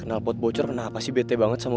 sari banget ya